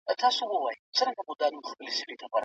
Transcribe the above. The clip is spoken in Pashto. انګلیسي سرتیري د افغانانو تدبیرونو ته حیران شول.